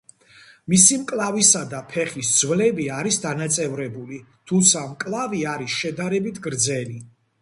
მისი მკლავისა და ფეხის ძვლები არის დანაწევრებული, თუმცა მკლავი არის შედარებით გრძელი.